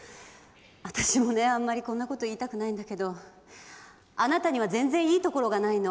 私もねあんまりこんなこと言いたくないんだけどあなたには全然いいところがないの。